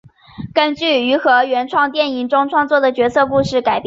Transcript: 根据和于原创电影中创作的角色故事改编。